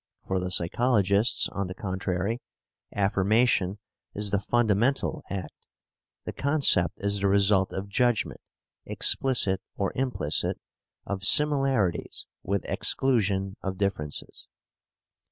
For the psychologists, on the contrary, affirmation is the fundamental act; the concept is the result of judgment (explicit or implicit), of similarities with exclusion of differences."